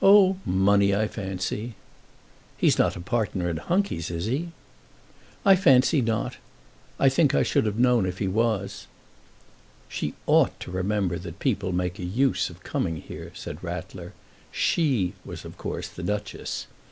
"Oh; money, I fancy." "He's not a partner in Hunky's, is he?" "I fancy not. I think I should have known if he was." "She ought to remember that people make a use of coming here," said Rattler. She was, of course, the Duchess.